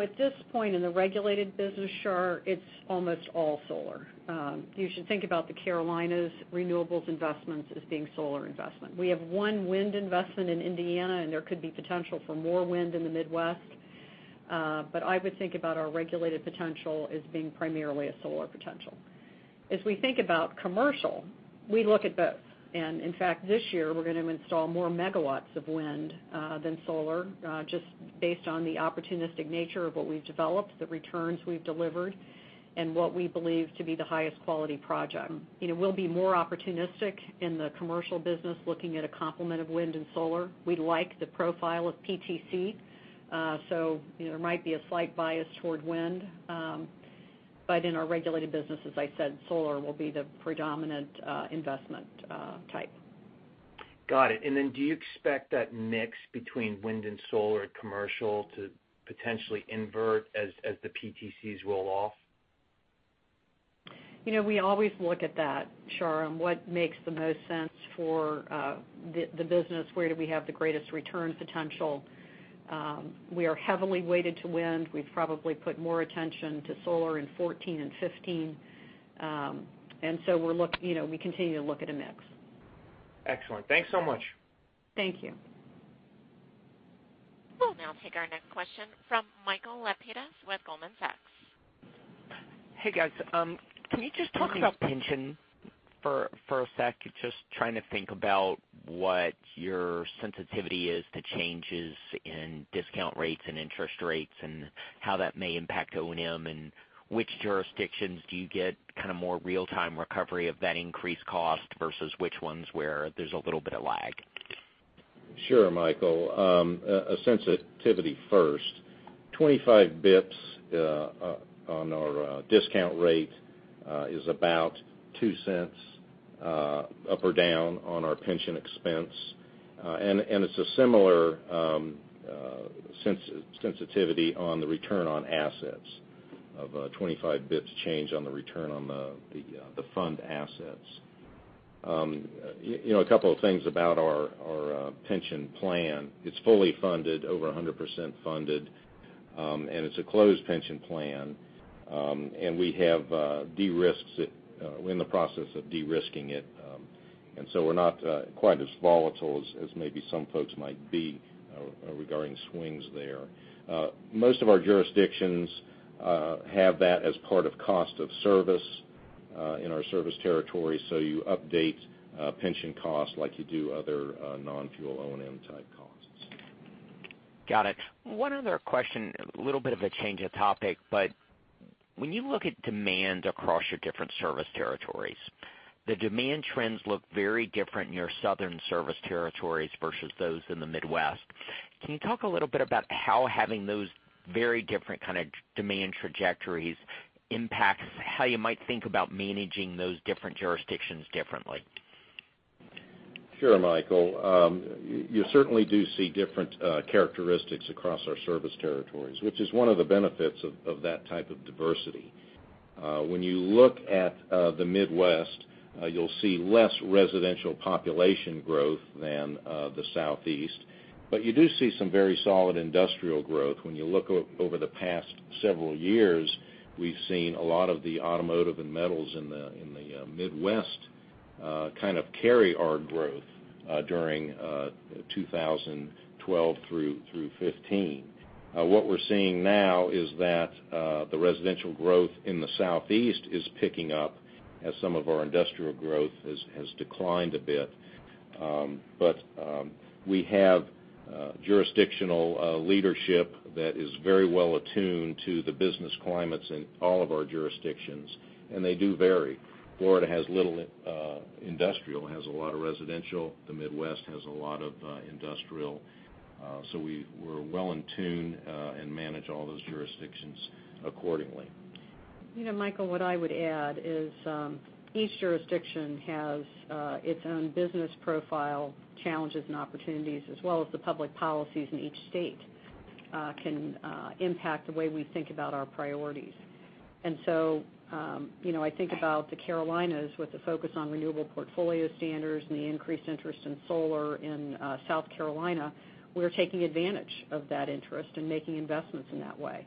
C: At this point in the regulated business, Shar, it's almost all solar. You should think about the Carolinas renewables investments as being solar investment. We have one wind investment in Indiana, there could be potential for more wind in the Midwest. I would think about our regulated potential as being primarily a solar potential. As we think about commercial, we look at both. In fact, this year, we're going to install more megawatts of wind than solar just based on the opportunistic nature of what we've developed, the returns we've delivered, and what we believe to be the highest quality project. We'll be more opportunistic in the commercial business looking at a complement of wind and solar. We like the profile of PTC. There might be a slight bias toward wind. In our regulated business, as I said, solar will be the predominant investment type.
I: Got it. Do you expect that mix between wind and solar at commercial to potentially invert as the PTCs roll off?
C: We always look at that, Shar, what makes the most sense for the business, where do we have the greatest return potential? We are heavily weighted to wind. We've probably put more attention to solar in 2014 and 2015. We continue to look at a mix.
I: Excellent. Thanks so much.
C: Thank you.
A: We'll now take our next question from Michael Lapides with Goldman Sachs.
J: Hey, guys. Can we just talk about-
C: Hey, Mike.
J: pension for a second? Just trying to think about what your sensitivity is to changes in discount rates and interest rates and how that may impact O&M and which jurisdictions do you get kind of more real-time recovery of that increased cost versus which ones where there's a little bit of lag?
D: Sure, Michael. A sensitivity first. 25 basis points on our discount rate is about $0.02 up or down on our pension expense. It's a similar sensitivity on the return on assets. Of a 25 basis points change on the return on the fund assets. A couple of things about our pension plan. It's fully funded, over 100% funded, and it's a closed pension plan. We have de-risked it. We're in the process of de-risking it. We're not quite as volatile as maybe some folks might be regarding swings there. Most of our jurisdictions have that as part of cost of service in our service territory. You update pension costs like you do other non-fuel O&M type costs.
J: Got it. One other question, a little bit of a change of topic, but when you look at demand across your different service territories, the demand trends look very different in your southern service territories versus those in the Midwest. Can you talk a little bit about how having those very different kind of demand trajectories impacts how you might think about managing those different jurisdictions differently?
D: Sure, Michael. You certainly do see different characteristics across our service territories, which is one of the benefits of that type of diversity. When you look at the Midwest, you'll see less residential population growth than the Southeast, but you do see some very solid industrial growth. When you look over the past several years, we've seen a lot of the automotive and metals in the Midwest kind of carry our growth during 2012 through 2015. What we're seeing now is that the residential growth in the Southeast is picking up as some of our industrial growth has declined a bit. We have jurisdictional leadership that is very well attuned to the business climates in all of our jurisdictions, and they do vary. Florida has little industrial, has a lot of residential. The Midwest has a lot of industrial. We're well in tune and manage all those jurisdictions accordingly.
C: Michael, what I would add is each jurisdiction has its own business profile, challenges, and opportunities, as well as the public policies in each state can impact the way we think about our priorities. I think about the Carolinas with the focus on renewable portfolio standards and the increased interest in solar in South Carolina. We're taking advantage of that interest and making investments in that way.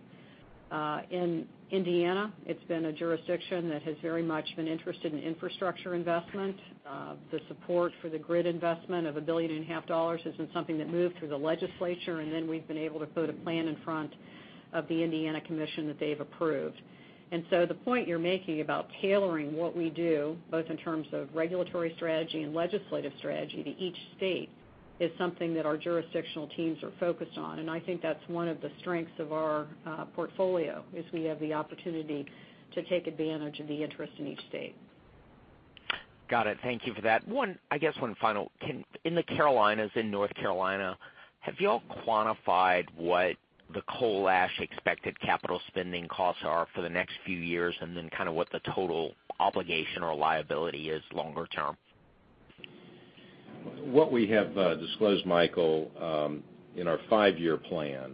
C: In Indiana, it's been a jurisdiction that has very much been interested in infrastructure investment. The support for the grid investment of a billion and a half dollars has been something that moved through the legislature, and then we've been able to put a plan in front of the Indiana Commission that they've approved. The point you're making about tailoring what we do, both in terms of regulatory strategy and legislative strategy to each state, is something that our jurisdictional teams are focused on. I think that's one of the strengths of our portfolio, is we have the opportunity to take advantage of the interest in each state.
J: Got it. Thank you for that. I guess one final. In the Carolinas, in North Carolina, have you all quantified what the coal ash expected capital spending costs are for the next few years, and then kind of what the total obligation or liability is longer term?
D: What we have disclosed, Michael, in our five-year plan,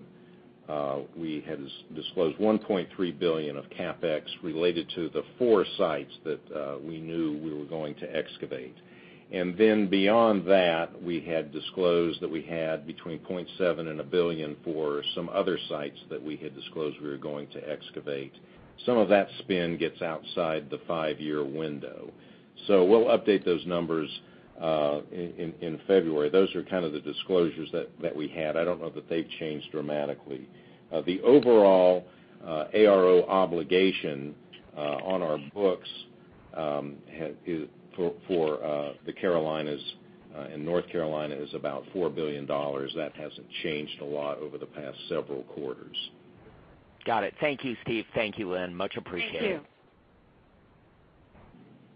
D: we had disclosed $1.3 billion of CapEx related to the four sites that we knew we were going to excavate. Beyond that, we had disclosed that we had between $0.7 billion and $1 billion for some other sites that we had disclosed we were going to excavate. Some of that spend gets outside the five-year window. We'll update those numbers in February. Those are kind of the disclosures that we had. I don't know that they've changed dramatically. The overall ARO obligation on our books for the Carolinas and North Carolina is about $4 billion. That hasn't changed a lot over the past several quarters.
J: Got it. Thank you, Steve. Thank you, Lynn. Much appreciated.
C: Thank you.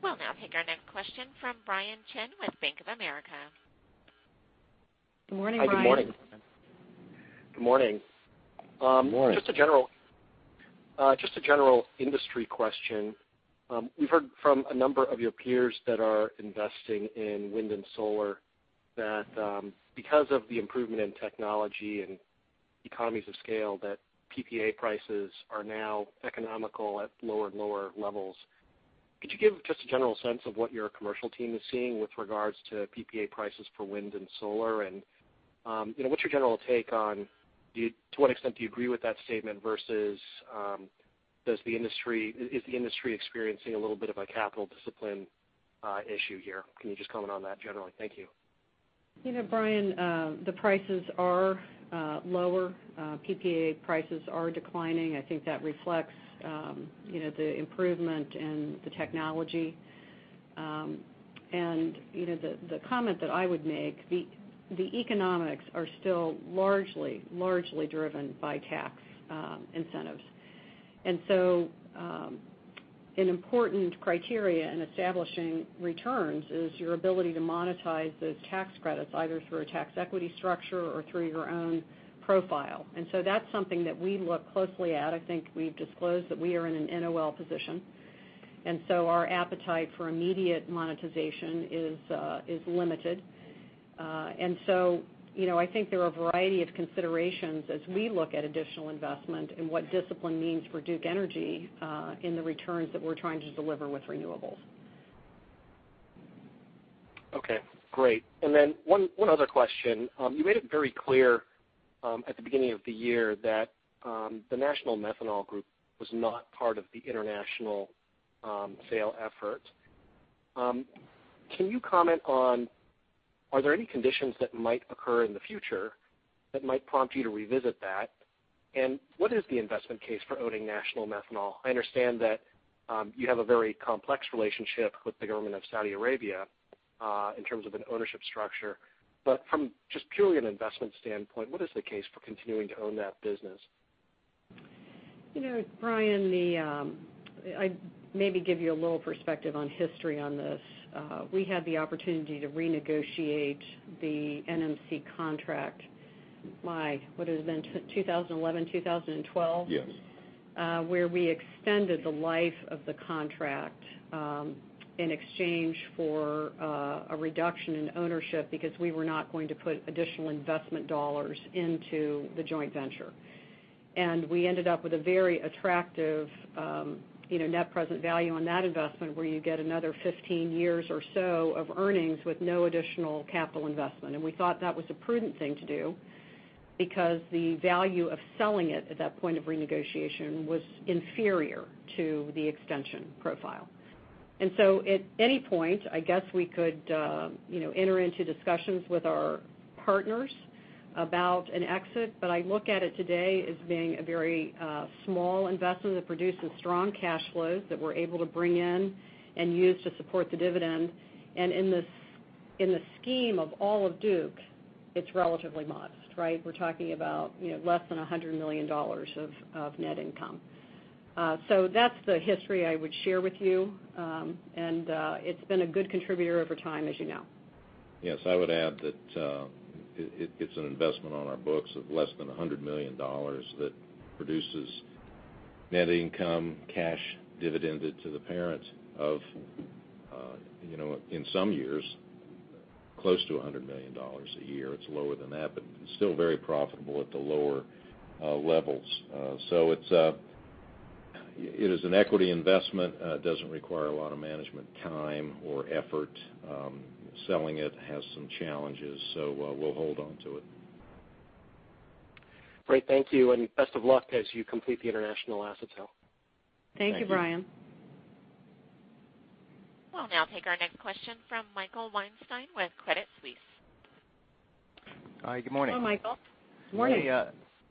A: We'll now take our next question from Brian Chin with Bank of America.
C: Good morning, Brian.
D: Hi, good morning.
K: Good morning.
D: Good morning.
K: Just a general industry question. We've heard from a number of your peers that are investing in wind and solar that because of the improvement in technology and economies of scale, that PPA prices are now economical at lower and lower levels. Could you give just a general sense of what your commercial team is seeing with regards to PPA prices for wind and solar? What's your general take on to what extent do you agree with that statement versus is the industry experiencing a little bit of a capital discipline issue here? Can you just comment on that generally? Thank you.
C: Brian, the prices are lower. PPA prices are declining. I think that reflects the improvement in the technology. The comment that I would make, the economics are still largely driven by tax incentives. An important criteria in establishing returns is your ability to monetize those tax credits, either through a tax equity structure or through your own profile. That's something that we look closely at. I think we've disclosed that we are in an NOL position. Our appetite for immediate monetization is limited. I think there are a variety of considerations as we look at additional investment and what discipline means for Duke Energy in the returns that we're trying to deliver with renewables.
K: Okay, great. One other question. You made it very clear, at the beginning of the year that the National Methanol Company was not part of the international sale effort. Can you comment on, are there any conditions that might occur in the future that might prompt you to revisit that? What is the investment case for owning National Methanol Company? I understand that you have a very complex relationship with the government of Saudi Arabia, in terms of an ownership structure. From just purely an investment standpoint, what is the case for continuing to own that business?
C: Brian, I maybe give you a little perspective on history on this. We had the opportunity to renegotiate the NMC contract. My, would it have been 2011, 2012?
D: Yes.
C: Where we extended the life of the contract, in exchange for a reduction in ownership because we were not going to put additional investment dollars into the joint venture. We ended up with a very attractive net present value on that investment, where you get another 15 years or so of earnings with no additional capital investment. We thought that was a prudent thing to do because the value of selling it at that point of renegotiation was inferior to the extension profile. At any point, I guess we could enter into discussions with our partners about an exit, but I look at it today as being a very small investment that produces strong cash flows that we're able to bring in and use to support the dividend. In the scheme of all of Duke, it's relatively modest, right? We're talking about less than $100 million of net income. That's the history I would share with you. It's been a good contributor over time, as you know.
D: Yes. I would add that it's an investment on our books of less than $100 million that produces net income, cash dividend to the parent of, in some years, close to $100 million a year. It's lower than that, but still very profitable at the lower levels. It is an equity investment. Doesn't require a lot of management time or effort. Selling it has some challenges, so we'll hold on to it.
K: Great. Thank you, and best of luck as you complete the international asset sale.
C: Thank you, Brian.
D: Thank you.
A: We'll now take our next question from Michael Weinstein with Credit Suisse.
L: Hi, good morning.
C: Hello, Michael. Good morning.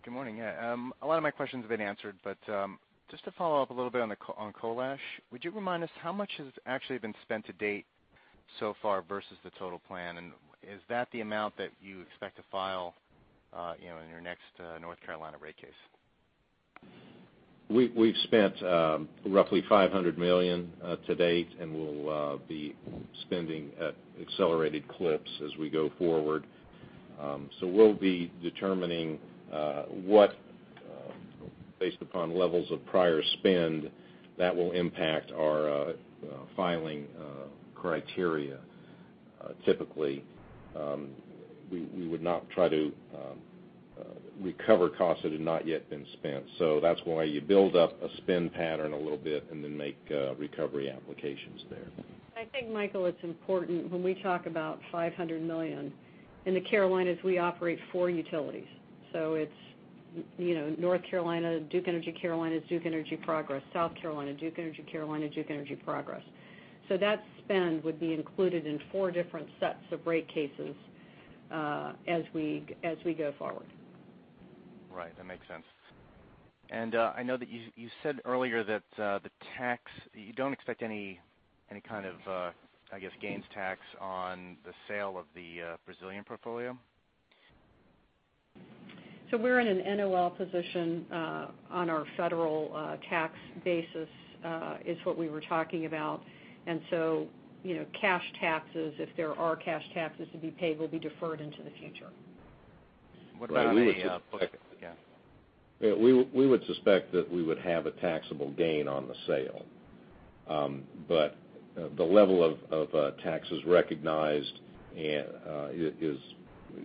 L: Good morning. A lot of my questions have been answered, just to follow up a little bit on Coal Ash, would you remind us how much has actually been spent to date so far versus the total plan? Is that the amount that you expect to file in your next North Carolina rate case?
D: We've spent roughly $500 million to date, we'll be spending at accelerated clips as we go forward. We'll be determining what based upon levels of prior spend that will impact our filing criteria. Typically, we would not try to recover costs that had not yet been spent. That's why you build up a spend pattern a little bit and then make recovery applications there.
C: I think Michael, it's important when we talk about $500 million. In the Carolinas, we operate four utilities. It's North Carolina, Duke Energy Carolinas, Duke Energy Progress. South Carolina, Duke Energy Carolinas, Duke Energy Progress. That spend would be included in four different sets of rate cases as we go forward.
L: Right. That makes sense. I know that you said earlier that you don't expect any kind of, I guess, gains tax on the sale of the Brazilian portfolio?
C: We're in an NOL position on our federal tax basis, is what we were talking about. Cash taxes, if there are cash taxes to be paid, will be deferred into the future.
D: We would suspect that we would have a taxable gain on the sale. The level of taxes recognized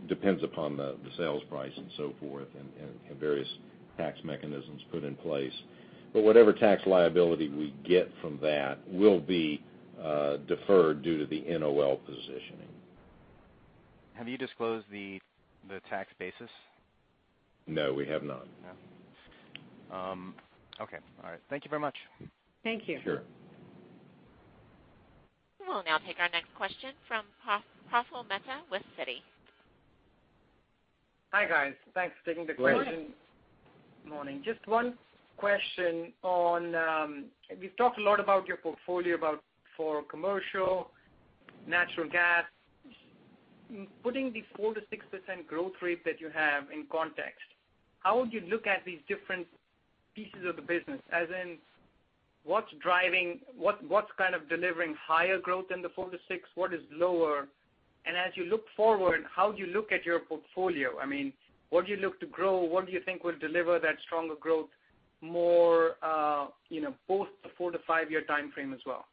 D: depends upon the sales price and so forth and various tax mechanisms put in place. Whatever tax liability we get from that will be deferred due to the NOL positioning.
L: Have you disclosed the tax basis?
D: No, we have not.
L: No. Okay. All right. Thank you very much.
C: Thank you.
D: Sure.
A: We'll now take our next question from Praful Mehta with Citi.
M: Hi, guys. Thanks for taking the question.
D: Praful.
C: Hi.
M: Morning. Just one question on, we've talked a lot about your portfolio, about for commercial, natural gas. Putting the 4%-6% growth rate that you have in context, how would you look at these different pieces of the business, as in what's kind of delivering higher growth in the 4%-6%? What is lower? As you look forward, how do you look at your portfolio? What do you look to grow? What do you think will deliver that stronger growth more, both the four to five-year timeframe as well?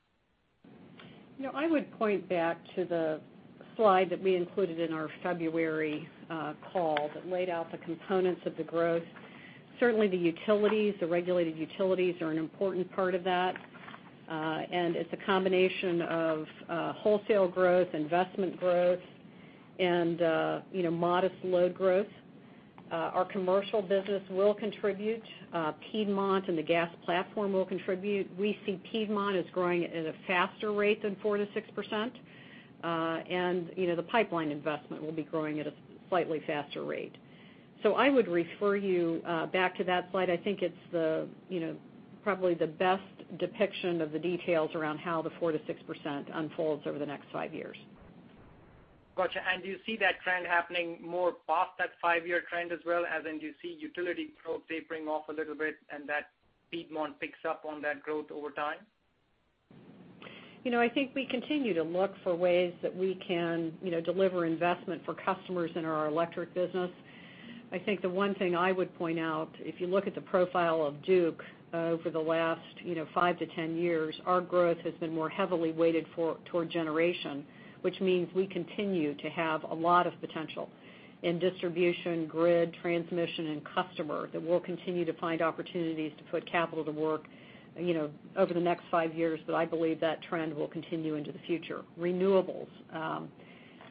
C: I would point back to the slide that we included in our February call that laid out the components of the growth. Certainly the utilities, the regulated utilities, are an important part of that. It's a combination of wholesale growth, investment growth, and modest load growth. Our commercial business will contribute. Piedmont and the gas platform will contribute. We see Piedmont as growing at a faster rate than 4%-6%. The pipeline investment will be growing at a slightly faster rate. I would refer you back to that slide. I think it's probably the best depiction of the details around how the 4%-6% unfolds over the next five years.
M: Got you. Do you see that trend happening more past that five-year trend as well, as in do you see utility growth tapering off a little bit, and that Piedmont picks up on that growth over time?
C: I think we continue to look for ways that we can deliver investment for customers in our electric business. I think the one thing I would point out, if you look at the profile of Duke over the last five to 10 years, our growth has been more heavily weighted toward generation. We continue to have a lot of potential in distribution, grid, transmission, and customer, that we'll continue to find opportunities to put capital to work over the next five years, but I believe that trend will continue into the future. Renewables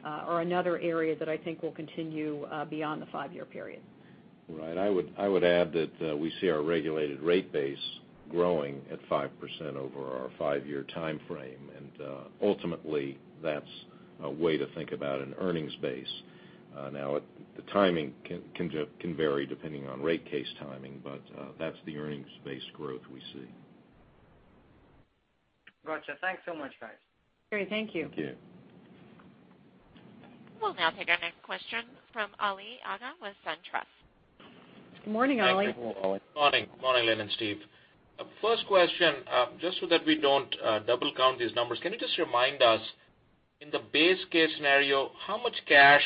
C: are another area that I think will continue beyond the five-year period.
D: Right. I would add that we see our regulated rate base growing at 5% over our five-year timeframe. Ultimately that's a way to think about an earnings base. The timing can vary depending on rate case timing, but that's the earnings-based growth we see.
M: Got you. Thanks so much, guys.
C: Great. Thank you.
D: Thank you.
A: We'll now take our next question from Ali Agha with SunTrust.
C: Good morning, Ali.
D: Hi. Good morning, Ali.
N: Morning. Morning, Lynn and Steve. First question. Just so that we don't double count these numbers, can you just remind us, in the base case scenario, how much cash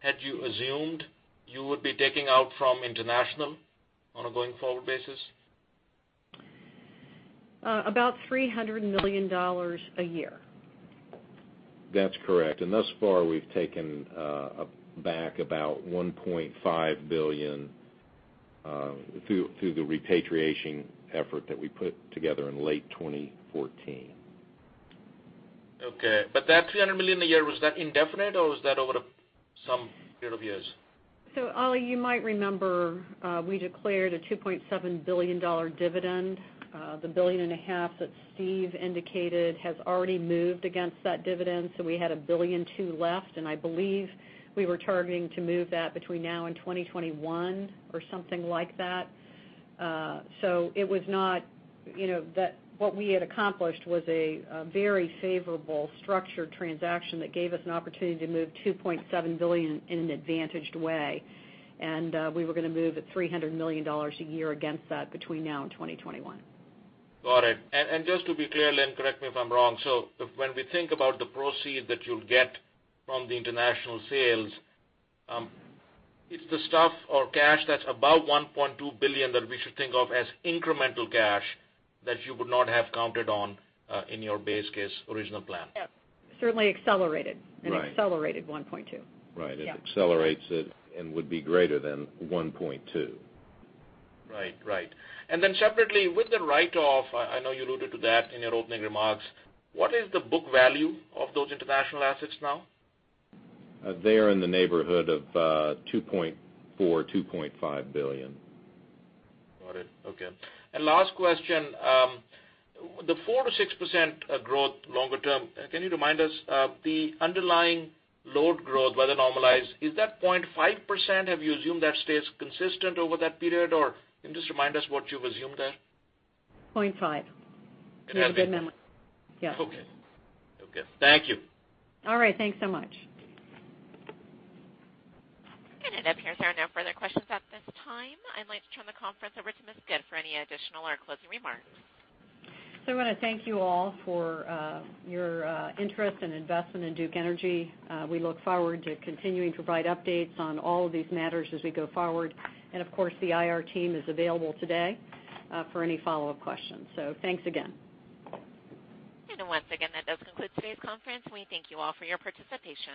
N: had you assumed you would be taking out from International on a going forward basis?
C: About $300 million a year.
D: That's correct. Thus far, we've taken back about $1.5 billion through the repatriation effort that we put together in late 2014.
N: Okay. That $300 million a year, was that indefinite or was that over some period of years?
C: Ali, you might remember we declared a $2.7 billion dividend. The billion and a half that Steve indicated has already moved against that dividend, we had $1.2 billion left, and I believe we were targeting to move that between now and 2021 or something like that. What we had accomplished was a very favorable structured transaction that gave us an opportunity to move $2.7 billion in an advantaged way. We were going to move at $300 million a year against that between now and 2021.
N: Got it. Just to be clear, Lynn, correct me if I'm wrong. When we think about the proceeds that you'll get from the international sales, it's the stuff or cash that's above $1.2 billion that we should think of as incremental cash that you would not have counted on in your base case original plan.
C: Yes. Certainly accelerated.
D: Right.
C: An accelerated $1.2 billion.
D: Right. It accelerates it and would be greater than $1.2 billion.
N: Right. Then separately, with the write-off, I know you alluded to that in your opening remarks. What is the book value of those international assets now?
D: They are in the neighborhood of $2.4 billion, $2.5 billion.
N: Got it. Okay. Last question. The 4%-6% growth longer term, can you remind us the underlying load growth, whether normalized, is that 0.5%? Have you assumed that stays consistent over that period, or can you just remind us what you've assumed there?
C: 0.5%.
N: That's it?
C: It was a good memory. Yes.
N: Okay. Thank you.
C: All right. Thanks so much.
A: It appears there are no further questions at this time. I'd like to turn the conference over to Ms. Good for any additional or closing remarks.
C: I want to thank you all for your interest and investment in Duke Energy. We look forward to continuing to provide updates on all of these matters as we go forward. Of course, the IR team is available today for any follow-up questions. Thanks again.
A: Once again, that does conclude today's conference. We thank you all for your participation.